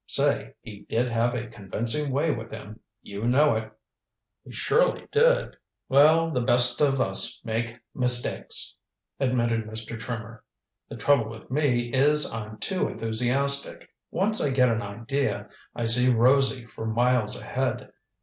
Say he did have a convincing way with him you know it." "He surely did." "Well, the best of us make mistakes," admitted Mr. Trimmer. "The trouble with me is I'm too enthusiastic. Once I get an idea, I see rosy for miles ahead.